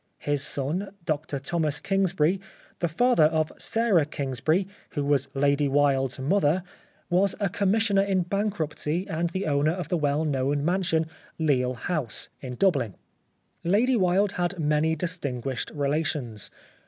His son, Dr Thomas Kingsbury, the father of Sarah Kingsbury, who was Lady Wilde's mother, was a Commissioner in Bankruptcy and the owner of the well known mansion, Lisle House, in Dublin. Lady Wilde had many distinguished relations.